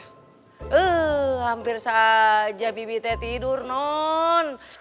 hampir saja bibi teh tidur non